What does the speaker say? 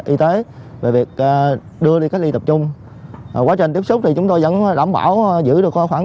y tế về việc đưa đi cách ly tập trung quá trình tiếp xúc thì chúng tôi vẫn đảm bảo giữ được khoảng